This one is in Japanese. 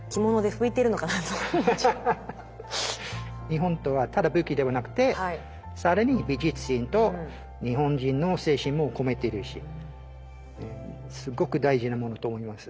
日本刀はただ武器ではなくてさらに美術品と日本人の精神も込めてるしすっごく大事なものと思います。